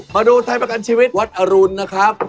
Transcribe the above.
มาดูไทยประกันชีวิตวัดอรุณนะครับ